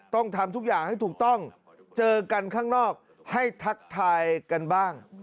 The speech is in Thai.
ต้องทำทุกอย่างให้ถูกต้องเจอกันข้างนอกให้ทักทายกันบ้าง